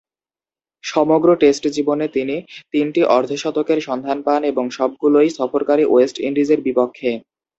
সমগ্র টেস্ট জীবনে তিনি তিনটি অর্ধ-শতকের সন্ধান পান এবং সবগুলোই সফরকারী ওয়েস্ট ইন্ডিজের বিপক্ষে।